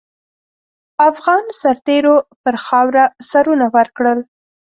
افغان سرتېرو پر خاوره سرونه ورکړل.